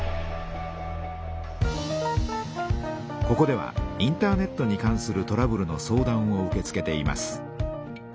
ここではインターネットに関するトラブルの相談を受け付けています。